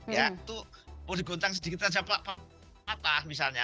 ya itu kalau digoncang sedikit saja patah misalnya